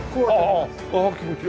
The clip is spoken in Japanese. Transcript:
ああっああ気持ちいい。